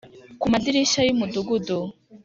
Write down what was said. ku madirishya yumudugudu